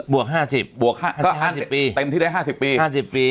บวกห้าสิบบวกห้าสิบปีเต็มที่ได้ห้าสิบปี